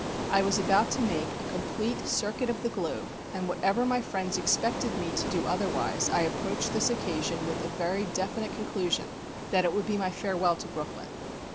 I was about to make a complete circuit of the globe, and whatever my friends expected me to do otherwise I approached this occasion with a very definite conclusion that it would be my farewell to Brooklyn.